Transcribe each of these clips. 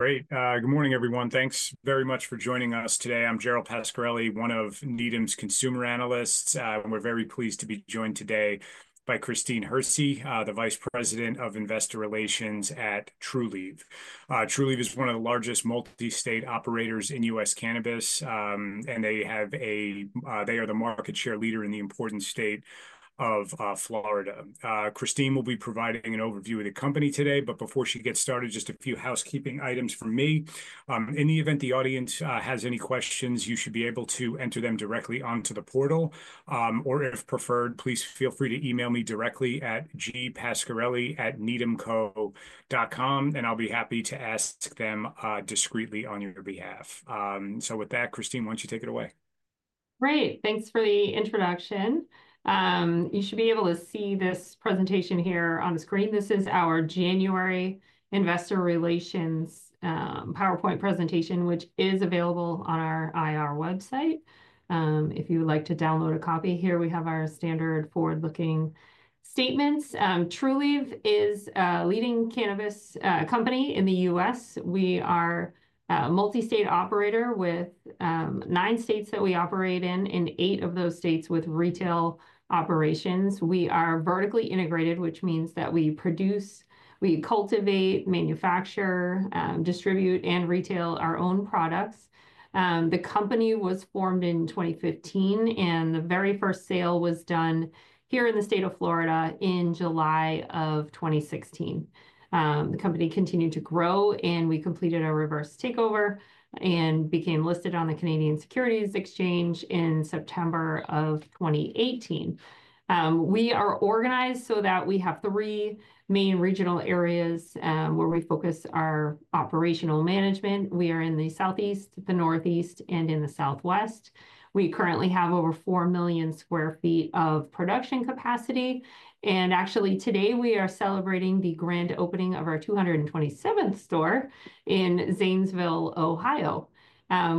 Great. Good morning, everyone. Thanks very much for joining us today. I'm Gerald Pascarelli, one of Needham's consumer analysts. We're very pleased to be joined today by Christine Hersey the Vice President of Investor Relations at Trulieve. Trulieve is one of the largest multi-state operators in U.S. cannabis, and they are the market share leader in the important state of Florida. Christine will be providing an overview of the company today, but before she gets started, just a few housekeeping items from me. In the event the audience has any questions, you should be able to enter them directly onto the portal, or if preferred, please feel free to email me directly at gpascarelli@needhamco.com, and I'll be happy to ask them discreetly on your behalf. So with that, Christine, why don't you take it away? Great. Thanks for the introduction. You should be able to see this presentation here on the screen. This is our January Investor Relations PowerPoint presentation, which is available on our IR website. If you would like to download a copy, here we have our standard forward-looking statements. Trulieve is a leading cannabis company in the U.S. We are a multi-state operator with nine states that we operate in, and eight of those states with retail operations. We are vertically integrated, which means that we produce, we cultivate, manufacture, distribute, and retail our own products. The company was formed in 2015, and the very first sale was done here in the state of Florida in July of 2016. The company continued to grow, and we completed a reverse takeover and became listed on the Canadian Securities Exchange in September of 2018. We are organized so that we have three main regional areas where we focus our operational management. We are in the southeast, the northeast, and in the southwest. We currently have over 4 million sq ft of production capacity, and actually, today we are celebrating the grand opening of our 227th store in Zanesville, Ohio.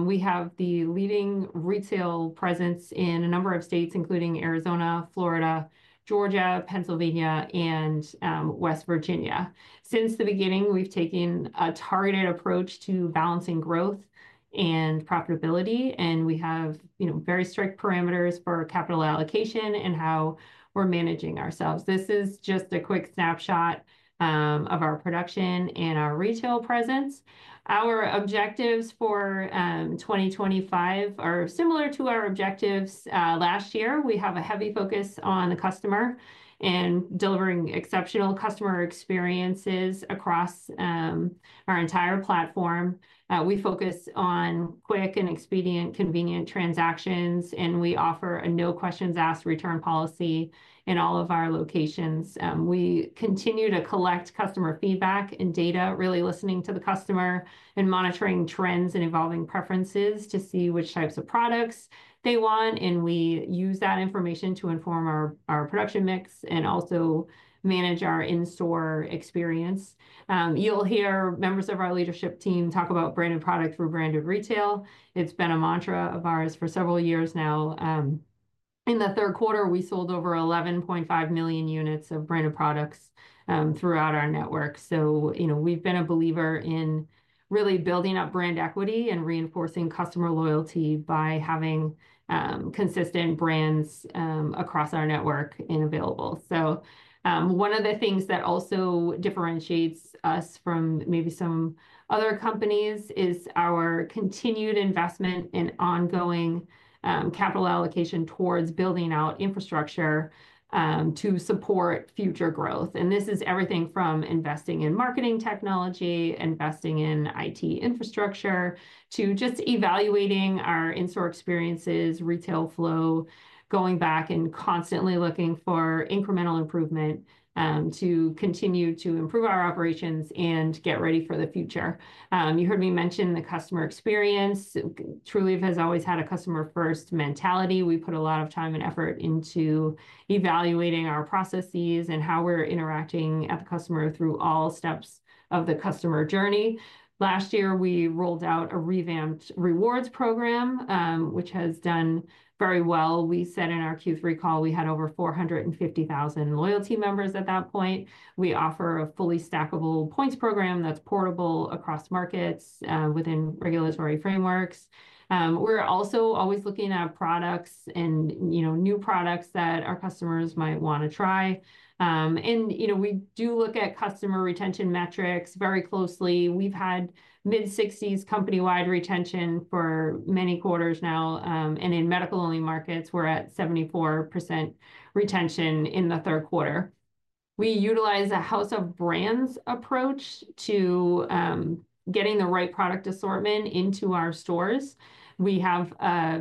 We have the leading retail presence in a number of states, including Arizona, Florida, Georgia, Pennsylvania, and West Virginia. Since the beginning, we've taken a targeted approach to balancing growth and profitability, and we have very strict parameters for capital allocation and how we're managing ourselves. This is just a quick snapshot of our production and our retail presence. Our objectives for 2025 are similar to our objectives last year. We have a heavy focus on the customer and delivering exceptional customer experiences across our entire platform. We focus on quick and expedient, convenient transactions, and we offer a no-questions-asked return policy in all of our locations. We continue to collect customer feedback and data, really listening to the customer and monitoring trends and evolving preferences to see which types of products they want, and we use that information to inform our production mix and also manage our in-store experience. You'll hear members of our leadership team talk about branded products for branded retail. It's been a mantra of ours for several years now. In the third quarter, we sold over 11.5 million units One of the things that also differentiates us from maybe some other companies is our continued investment in ongoing capital allocation towards building out infrastructure to support future growth. This is everything from investing in marketing technology, investing in IT infrastructure, to just evaluating our in-store experiences, retail flow, going back and constantly looking for incremental improvement to continue to improve our operations and get ready for the future. You heard me mention the customer experience. Trulieve has always had a customer-first mentality. We put a lot of time and effort into evaluating our processes and how we're interacting with the customer through all steps of the customer journey. Last year, we rolled out a revamped rewards program, which has done very well. We said in our Q3 call, we had over 450,000 loyalty members at that point. We offer a fully stackable points program that's portable across markets within regulatory frameworks. We're also always looking at products and new products that our customers might want to try. And we do look at customer retention metrics very closely. We've had mid-60s company-wide retention for many quarters now, and in medical-only markets, we're at 74% retention in the third quarter. We utilize a house of brands approach to getting the right product assortment into our stores. We have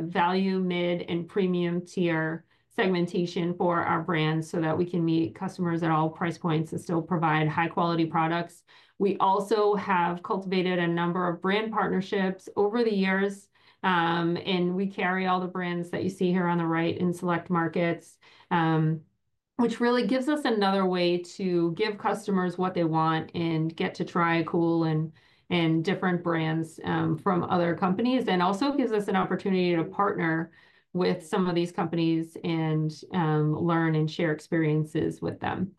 value, mid, and premium tier segmentation for our brands so that we can meet customers at all price points and still provide high-quality products. We also have cultivated a number of brand partnerships over the years, and we carry all the brands that you see here on the right in select markets, which really gives us another way to give customers what they want and get to try a cool and different brands from other companies and also gives us an opportunity to partner with some of these companies and learn and share experiences with them.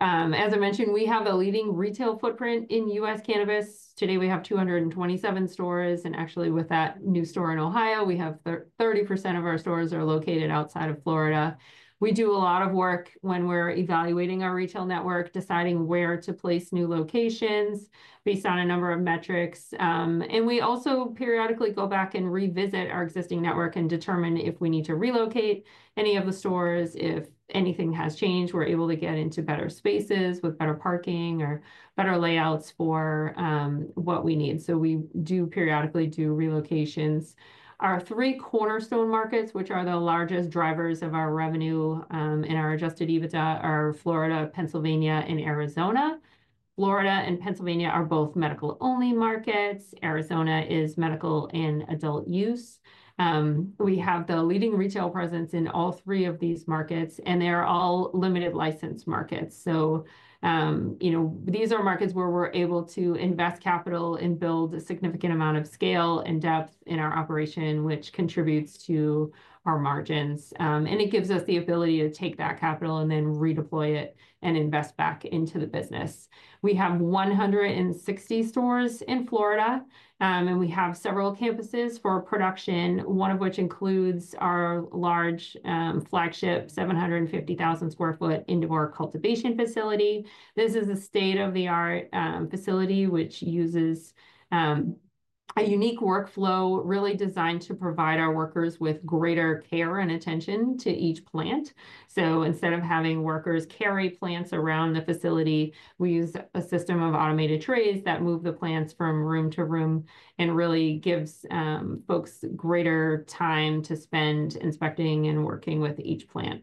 As I mentioned, we have a leading retail footprint in U.S. cannabis. Today, we have 227 stores, and actually, with that new store in Ohio, we have 30% of our stores located outside of Florida. We do a lot of work when we're evaluating our retail network, deciding where to place new locations based on a number of metrics. And we also periodically go back and revisit our existing network and determine if we need to relocate any of the stores. If anything has changed, we're able to get into better spaces with better parking or better layouts for what we need. So we do periodically do relocations. Our three cornerstone markets, which are the largest drivers of our revenue in our Adjusted EBITDA, are Florida, Pennsylvania, and Arizona. Florida and Pennsylvania are both medical-only markets. Arizona is medical and adult use. We have the leading retail presence in all three of these markets, and they are all limited-license markets. So these are markets where we're able to invest capital and build a significant amount of scale and depth in our operation, which contributes to our margins. And it gives us the ability to take that capital and then redeploy it and invest back into the business. We have 160 stores in Florida, and we have several campuses for production, one of which includes our large flagship 750,000 sq ft indoor cultivation facility. This is a state-of-the-art facility which uses a unique workflow really designed to provide our workers with greater care and attention to each plant. So instead of having workers carry plants around the facility, we use a system of automated trays that move the plants from room to room and really gives folks greater time to spend inspecting and working with each plant.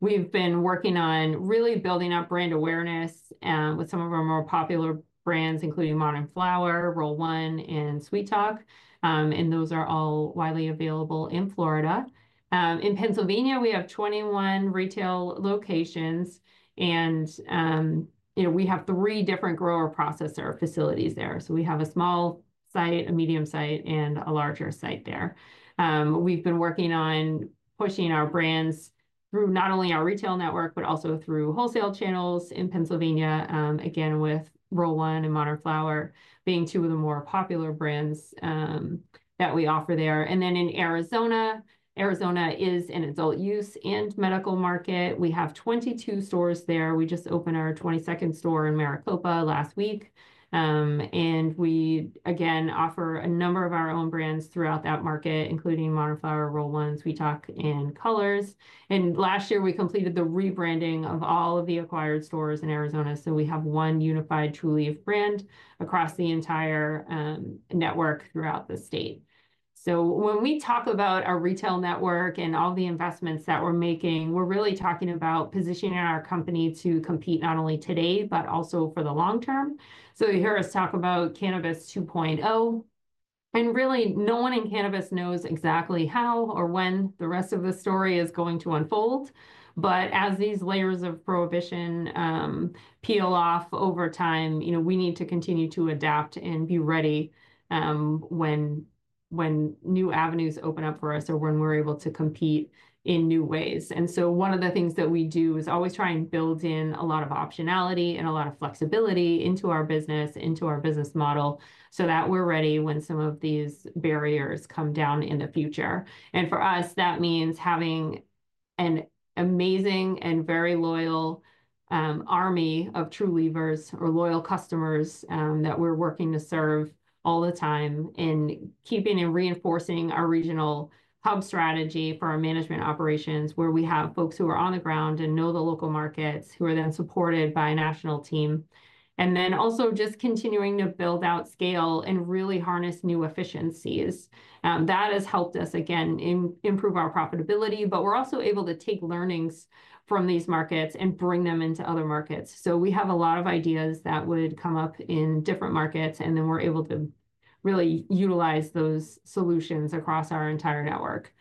We've been working on really building up brand awareness with some of our more popular brands, including Modern Flower, Roll One, and Sweet Talk, and those are all widely available in Florida. In Pennsylvania, we have 21 retail locations, and we have three different grower processor facilities there. So we have a small site, a medium site, and a larger site there. We've been working on pushing our brands through not only our retail network, but also through wholesale channels in Pennsylvania, again with Roll One and Modern Flower being two of the more popular brands that we offer there. And then in Arizona, Arizona is an adult use and medical market. We have 22 stores there. We just opened our 22nd store in Maricopa last week. And we, again, offer a number of our own brands throughout that market, including Modern Flower, Roll One, Sweet Talk, and Colors. And last year, we completed the rebranding of all of the acquired stores in Arizona. So we have one unified Trulieve brand across the entire network throughout the state. So when we talk about our retail network and all the investments that we're making, we're really talking about positioning our company to compete not only today, but also for the long term. So you hear us talk about Cannabis 2.0. And really, no one in cannabis knows exactly how or when the rest of the story is going to unfold. But as these layers of prohibition peel off over time, we need to continue to adapt and be ready when new avenues open up for us or when we're able to compete in new ways. And so one of the things that we do is always try and build in a lot of optionality and a lot of flexibility into our business, into our business model, so that we're ready when some of these barriers come down in the future. For us, that means having an amazing and very loyal army of Trulievers, our loyal customers that we're working to serve all the time, in keeping and reinforcing our regional hub strategy for our manufacturing operations, where we have folks who are on the ground and know the local markets, who are then supported by a national team. And then also just continuing to build out scale and really harness new efficiencies. That has helped us, again, improve our profitability, but we're also able to take learnings from these markets and bring them into other markets. So we have a lot of ideas that would come up in different markets, and then we're able to really utilize those solutions across our entire network.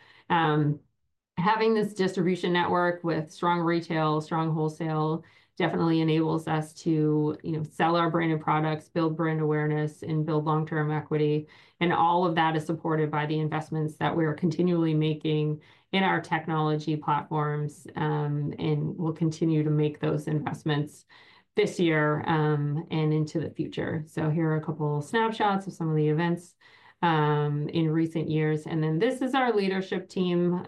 Having this distribution network with strong retail, strong wholesale definitely enables us to sell our branded products, build brand awareness, and build long-term equity. All of that is supported by the investments that we're continually making in our technology platforms, and we'll continue to make those investments this year and into the future. Here are a couple of snapshots of some of the events in recent years. This is our leadership team.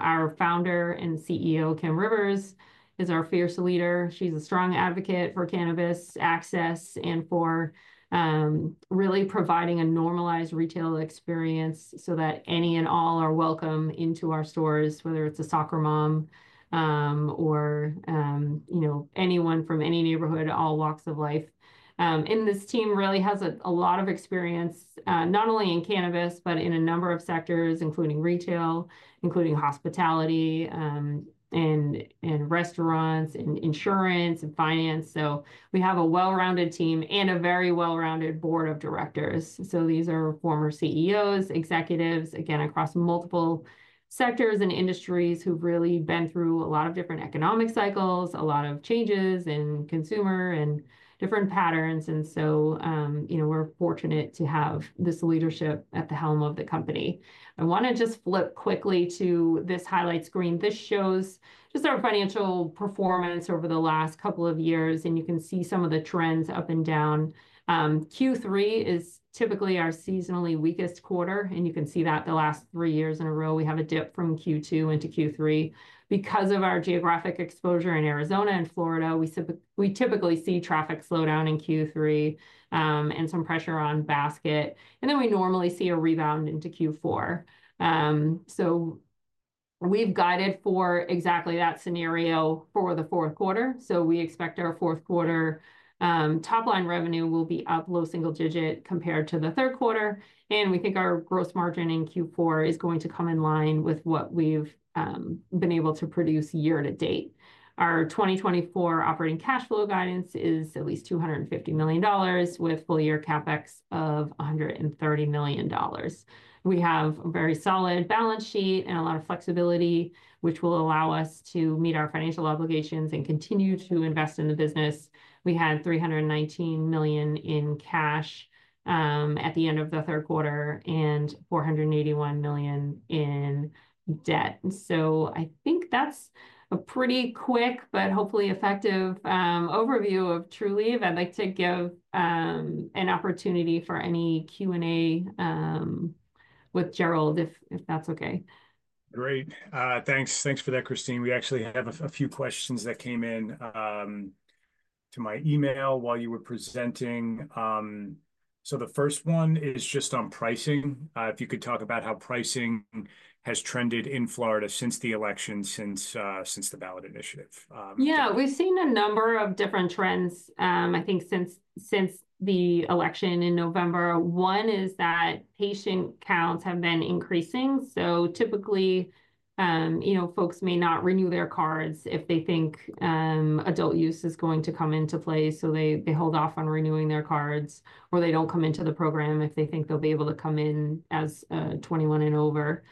Our founder and CEO, Kim Rivers, is our fierce leader. She's a strong advocate for cannabis access and for really providing a normalized retail experience so that any and all are welcome into our stores, whether it's a soccer mom or anyone from any neighborhood, all walks of life. This team really has a lot of experience not only in cannabis, but in a number of sectors, including retail, including hospitality, and restaurants, and insurance, and finance. We have a well-rounded team and a very well-rounded board of directors. So, these are former CEOs, executives, again, across multiple sectors and industries who've really been through a lot of different economic cycles, a lot of changes in consumer and different patterns. And so we're fortunate to have this leadership at the helm of the company. I want to just flip quickly to this highlight screen. This shows just our financial performance over the last couple of years, and you can see some of the trends up and down. Q3 is typically our seasonally weakest quarter, and you can see that the last three years in a row, we have a dip from Q2 into Q3. Because of our geographic exposure in Arizona and Florida, we typically see traffic slow down in Q3 and some pressure on basket. And then we normally see a rebound into Q4. So we've guided for exactly that scenario for the fourth quarter. So we expect our fourth quarter top-line revenue will be up low single digit compared to the third quarter. And we think our gross margin in Q4 is going to come in line with what we've been able to produce year to date. Our 2024 operating cash flow guidance is at least $250 million with full year CapEx of $130 million. We have a very solid balance sheet and a lot of flexibility, which will allow us to meet our financial obligations and continue to invest in the business. We had $319 million in cash at the end of the third quarter and $481 million in debt. So I think that's a pretty quick, but hopefully effective overview of Trulieve. I'd like to give an opportunity for any Q&A with Gerald, if that's okay. Great. Thanks for that, Christine. We actually have a few questions that came into my email while you were presenting. So the first one is just on pricing. If you could talk about how pricing has trended in Florida since the election, since the ballot initiative. Yeah, we've seen a number of different trends, I think, since the election in November. One is that patient counts have been increasing. So typically, folks may not renew their cards if they think adult use is going to come into play. So they hold off on renewing their cards, or they don't come into the program if they think they'll be able to come in as 21 and over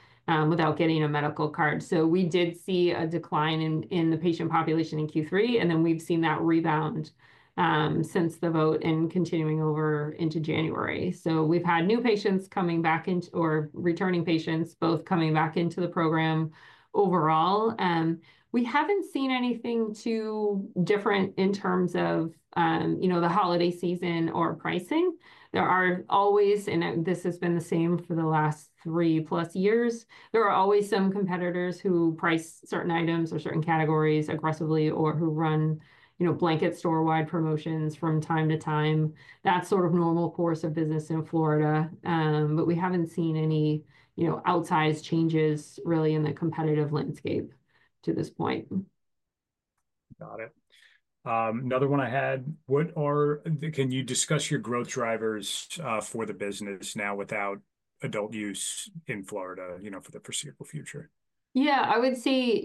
without getting a medical card. So we did see a decline in the patient population in Q3, and then we've seen that rebound since the vote and continuing over into January. So, we've had new patients coming back or returning patients, both coming back into the program overall. We haven't seen anything too different in terms of the holiday season or pricing. There are always, and this has been the same for the last three plus years, there are always some competitors who price certain items or certain categories aggressively or who run blanket store-wide promotions from time to time. That's sort of normal course of business in Florida. But we haven't seen any outsized changes really in the competitive landscape to this point. Got it. Another one I had. Can you discuss your growth drivers for the business now without adult use in Florida for the foreseeable future? Yeah, I would say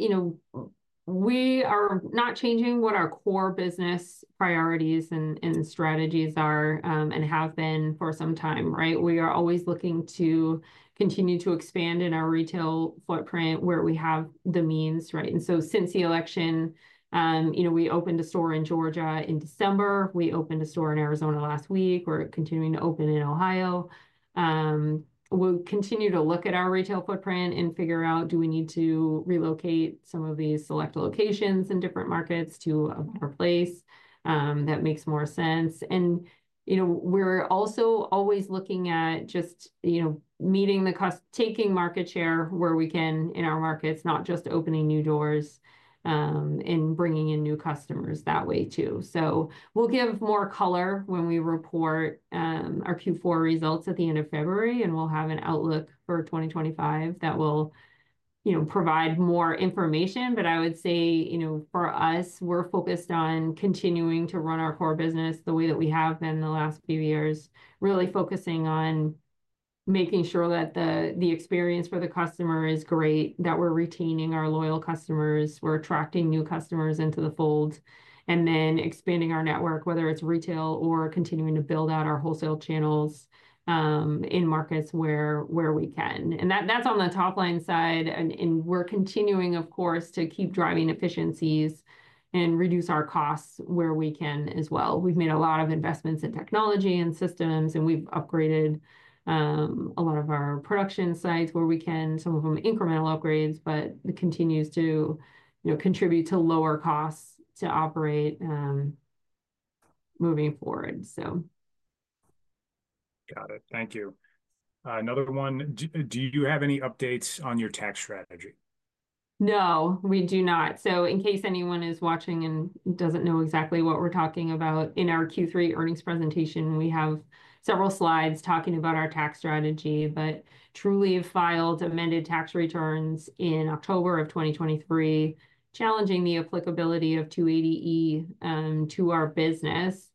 we are not changing what our core business priorities and strategies are and have been for some time, right? We are always looking to continue to expand in our retail footprint where we have the means, right? And so since the election, we opened a store in Georgia in December. We opened a store in Arizona last week. We're continuing to open in Ohio. We'll continue to look at our retail footprint and figure out, do we need to relocate some of these select locations in different markets to a better place that makes more sense? And we're also always looking at just meeting the cost, taking market share where we can in our markets, not just opening new doors and bringing in new customers that way too. So we'll give more color when we report our Q4 results at the end of February, and we'll have an outlook for 2025 that will provide more information. But I would say for us, we're focused on continuing to run our core business the way that we have been the last few years, really focusing on making sure that the experience for the customer is great, that we're retaining our loyal customers, we're attracting new customers into the fold, and then expanding our network, whether it's retail or continuing to build out our wholesale channels in markets where we can. And that's on the top-line side. And we're continuing, of course, to keep driving efficiencies and reduce our costs where we can as well. We've made a lot of investments in technology and systems, and we've upgraded a lot of our production sites where we can, some of them incremental upgrades, but it continues to contribute to lower costs to operate moving forward, so. Got it. Thank you. Another one. Do you have any updates on your tax strategy? No, we do not. In case anyone is watching and doesn't know exactly what we're talking about, in our Q3 earnings presentation, we have several slides talking about our tax strategy, but Trulieve filed amended tax returns in October of 2023, challenging the applicability of 280E to our business.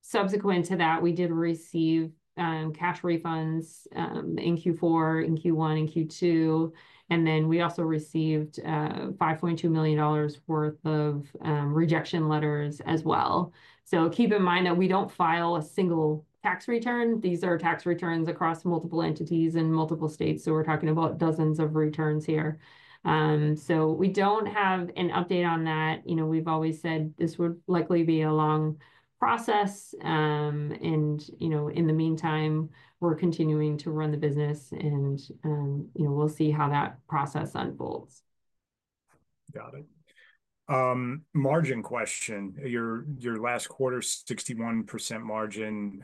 Subsequent to that, we did receive cash refunds in Q4, in Q1, in Q2. And then we also received $5.2 million worth of rejection letters as well. Keep in mind that we don't file a single tax return. These are tax returns across multiple entities and multiple states. We're talking about dozens of returns here. We don't have an update on that. We've always said this would likely be a long process. And in the meantime, we're continuing to run the business, and we'll see how that process unfolds. Got it. Margin question. Your last quarter, 61% margin,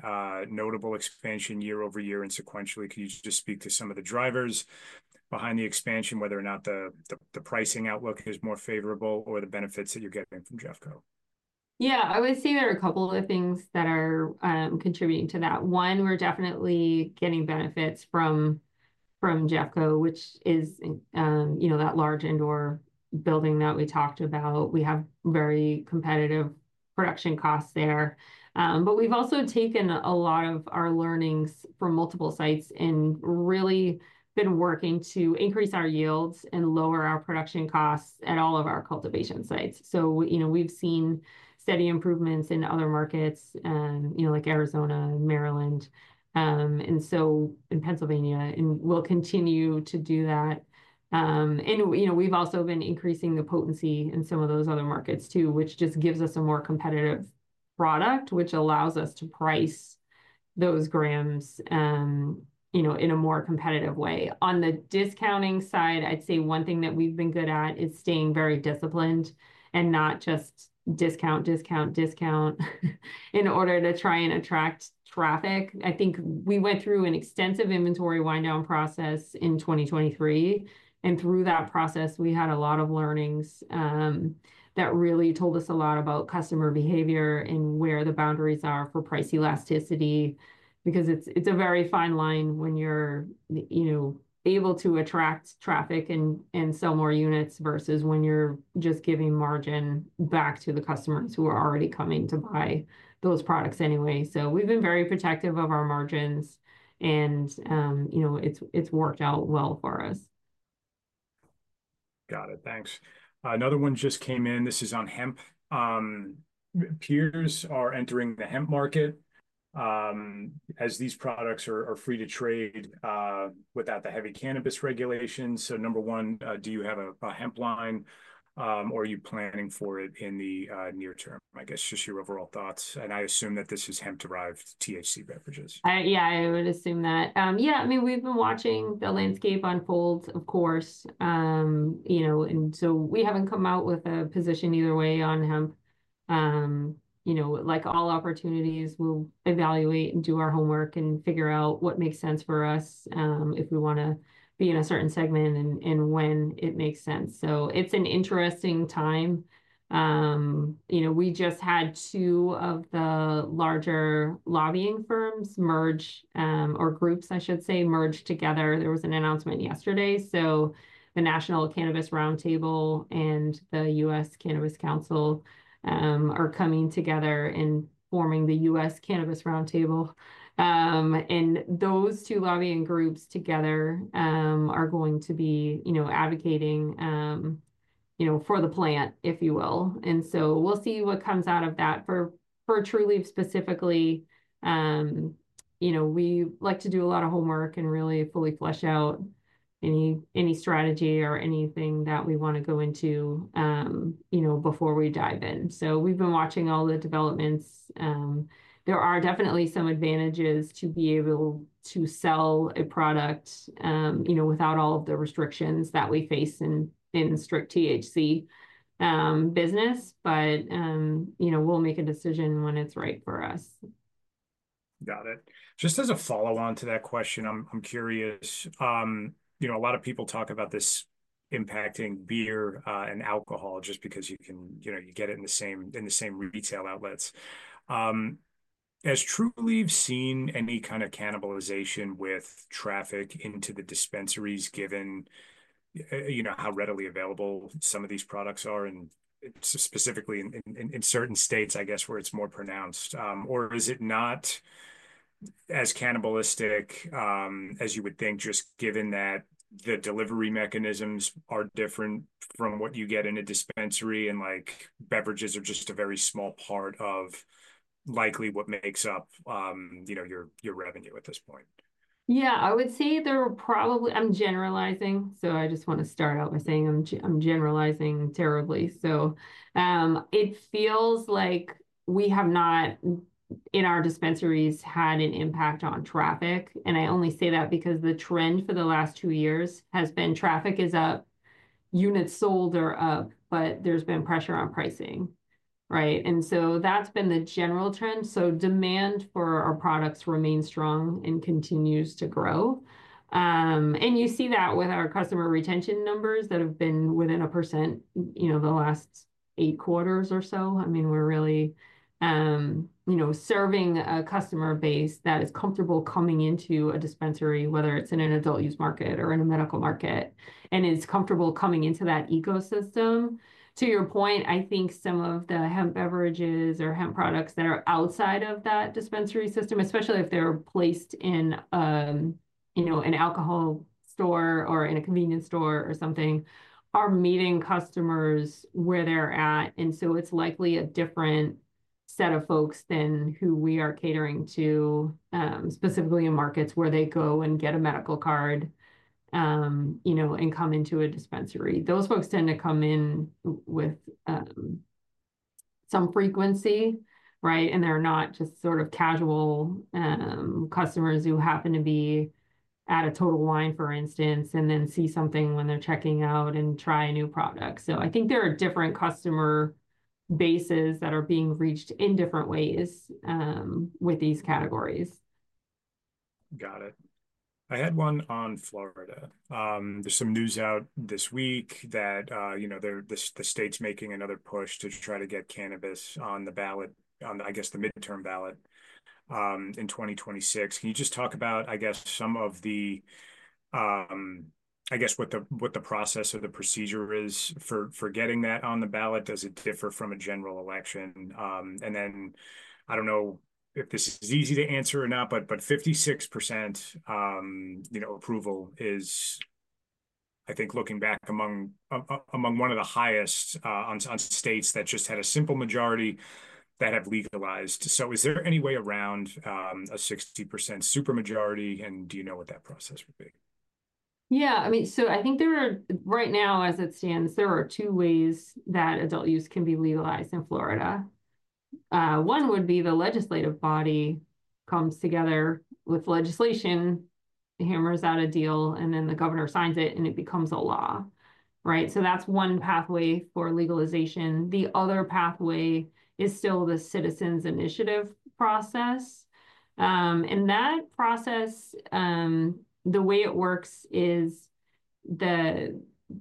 notable expansion year over year and sequentially. Can you just speak to some of the drivers behind the expansion, whether or not the pricing outlook is more favorable or the benefits that you're getting from JeffCo? Yeah, I would say there are a couple of things that are contributing to that. One, we're definitely getting benefits from JeffCo, which is that large indoor building that we talked about. We have very competitive production costs there. But we've also taken a lot of our learnings from multiple sites and really been working to increase our yields and lower our production costs at all of our cultivation sites. So we've seen steady improvements in other markets like Arizona, Maryland, and so in Pennsylvania, and we'll continue to do that. And we've also been increasing the potency in some of those other markets too, which just gives us a more competitive product, which allows us to price those grams in a more competitive way. On the discounting side, I'd say one thing that we've been good at is staying very disciplined and not just discount, discount, discount in order to try and attract traffic. I think we went through an extensive inventory wind-down process in 2023. And through that process, we had a lot of learnings that really told us a lot about customer behavior and where the boundaries are for price elasticity because it's a very fine line when you're able to attract traffic and sell more units versus when you're just giving margin back to the customers who are already coming to buy those products anyway. So we've been very protective of our margins, and it's worked out well for us. Got it. Thanks. Another one just came in. This is on hemp. Peers are entering the hemp market as these products are free to trade without the heavy cannabis regulations. So number one, do you have a hemp line, or are you planning for it in the near term? I guess just your overall thoughts. And I assume that this is hemp-derived THC beverages. Yeah, I would assume that. Yeah. I mean, we've been watching the landscape unfold, of course, and so we haven't come out with a position either way on hemp. Like all opportunities, we'll evaluate and do our homework and figure out what makes sense for us if we want to be in a certain segment and when it makes sense, so it's an interesting time. We just had two of the larger lobbying firms merge or groups, I should say, merge together. There was an announcement yesterday, so the National Cannabis Roundtable and the U.S. Cannabis Council are coming together and forming the U.S. Cannabis Roundtable, and those two lobbying groups together are going to be advocating for the plant, if you will, and so we'll see what comes out of that. For Trulieve specifically, we like to do a lot of homework and really fully flesh out any strategy or anything that we want to go into before we dive in. So we've been watching all the developments. There are definitely some advantages to be able to sell a product without all of the restrictions that we face in strict THC business, but we'll make a decision when it's right for us. Got it. Just as a follow-on to that question, I'm curious. A lot of people talk about this impacting beer and alcohol just because you get it in the same retail outlets. Has Trulieve seen any kind of cannibalization with traffic into the dispensaries given how readily available some of these products are? And specifically in certain states, I guess, where it's more pronounced? Or is it not as cannibalistic as you would think, just given that the delivery mechanisms are different from what you get in a dispensary and beverages are just a very small part of likely what makes up your revenue at this point? Yeah, I would say there are probably, I'm generalizing. So I just want to start out by saying I'm generalizing terribly. So it feels like we have not, in our dispensaries, had an impact on traffic. And I only say that because the trend for the last two years has been traffic is up, units sold are up, but there's been pressure on pricing, right? And so that's been the general trend. So demand for our products remains strong and continues to grow. And you see that with our customer retention numbers that have been within 1% the last eight quarters or so. I mean, we're really serving a customer base that is comfortable coming into a dispensary, whether it's in an adult use market or in a medical market, and is comfortable coming into that ecosystem. To your point, I think some of the hemp beverages or hemp products that are outside of that dispensary system, especially if they're placed in an alcohol store or in a convenience store or something, are meeting customers where they're at. And so it's likely a different set of folks than who we are catering to, specifically in markets where they go and get a medical card and come into a dispensary. Those folks tend to come in with some frequency, right? And they're not just sort of casual customers who happen to be at a Total Wine, for instance, and then see something when they're checking out and try a new product. So, I think there are different customer bases that are being reached in different ways with these categories. Got it. I had one on Florida. There's some news out this week that the state's making another push to try to get cannabis on the ballot, I guess the midterm ballot in 2026. Can you just talk about, I guess, some of the, I guess what the process or the procedure is for getting that on the ballot? Does it differ from a general election? And then I don't know if this is easy to answer or not, but 56% approval is, I think, looking back among one of the highest on states that just had a simple majority that have legalized. So is there any way around a 60% supermajority? And do you know what that process would be? Yeah. I mean, so I think there are. Right now, as it stands, there are two ways that adult use can be legalized in Florida. One would be the legislative body comes together with legislation, hammers out a deal, and then the governor signs it, and it becomes a law, right? So that's one pathway for legalization. The other pathway is still the citizens' initiative process. And that process, the way it works is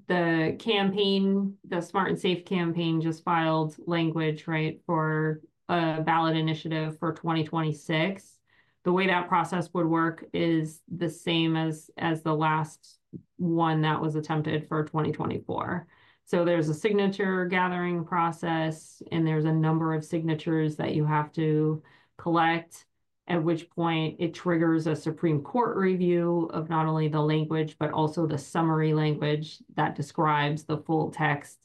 the campaign, the Smart & Safe campaign just filed language, right, for a ballot initiative for 2026. The way that process would work is the same as the last one that was attempted for 2024. There’s a signature gathering process, and there’s a number of signatures that you have to collect, at which point it triggers a Supreme Court review of not only the language, but also the summary language that describes the full text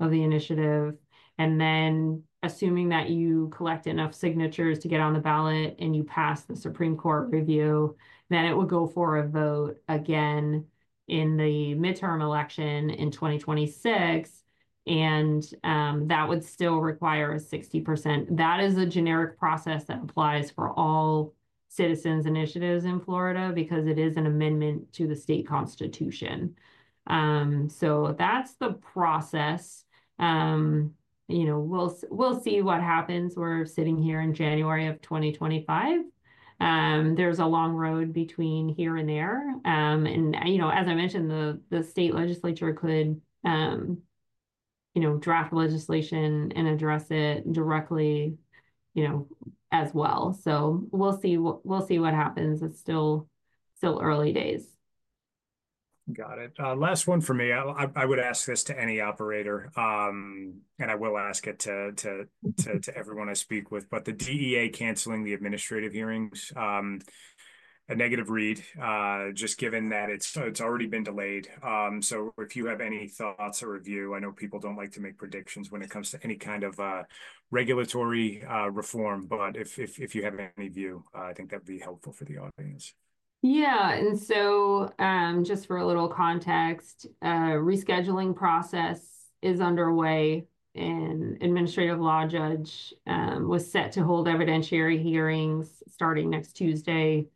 of the initiative. Then assuming that you collect enough signatures to get on the ballot and you pass the Supreme Court review, it would go for a vote in the midterm election in 2026. That would still require a 60%. That is a generic process that applies for all citizens’ initiatives in Florida because it is an amendment to the state constitution. That’s the process. We’ll see what happens. We’re sitting here in January of 2025. There’s a long road between here and there. As I mentioned, the state legislature could draft legislation and address it directly as well. So we'll see what happens. It's still early days. Got it. Last one for me. I would ask this to any operator, and I will ask it to everyone I speak with. But the DEA canceling the administrative hearings, a negative read, just given that it's already been delayed. So if you have any thoughts or review, I know people don't like to make predictions when it comes to any kind of regulatory reform, but if you have any view, I think that would be helpful for the audience. Yeah. And so just for a little context, the rescheduling process is underway, and the administrative law judge was set to hold evidentiary hearings starting next Tuesday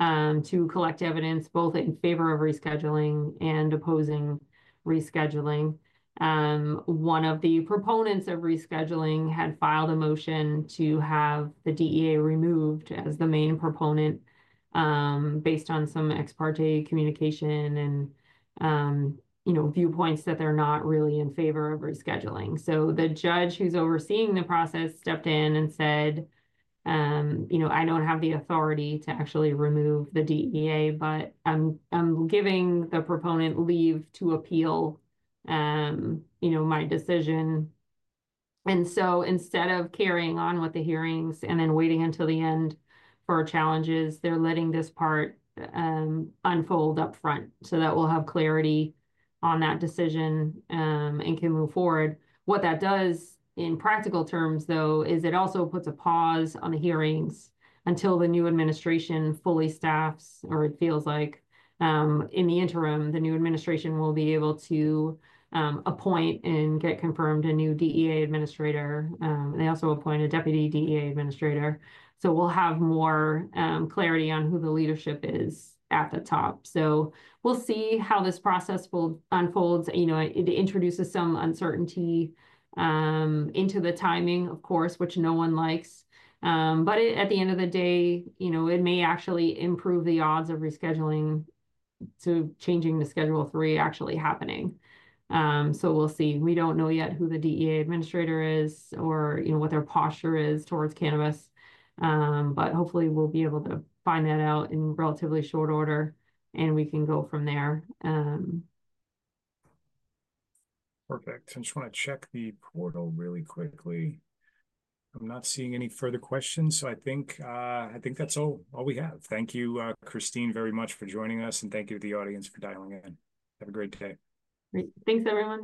to collect evidence both in favor of rescheduling and opposing rescheduling. One of the proponents of rescheduling had filed a motion to have the DEA removed as the main proponent based on some ex parte communication and viewpoints that they're not really in favor of rescheduling. So the judge who's overseeing the process stepped in and said, "I don't have the authority to actually remove the DEA, but I'm giving the proponent leave to appeal my decision, and so instead of carrying on with the hearings and then waiting until the end for challenges, they're letting this part unfold upfront so that we'll have clarity on that decision and can move forward." What that does in practical terms, though, is it also puts a pause on the hearings until the new administration fully staffs, or it feels like in the interim, the new administration will be able to appoint and get confirmed a new DEA administrator. They also appoint a deputy DEA administrator. So we'll have more clarity on who the leadership is at the top. So we'll see how this process unfolds. It introduces some uncertainty into the timing, of course, which no one likes. But at the end of the day, it may actually improve the odds of rescheduling to Schedule III actually happening. So we'll see. We don't know yet who the DEA administrator is or what their posture is towards cannabis. But hopefully, we'll be able to find that out in relatively short order, and we can go from there. Perfect. I just want to check the portal really quickly. I'm not seeing any further questions. So I think that's all we have. Thank you, Christine, very much for joining us, and thank you to the audience for dialing in. Have a great day. Thanks, everyone.